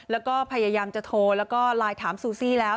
แล้วก็พยายามจะโทรแล้วก็ไลน์ถามซูซี่แล้ว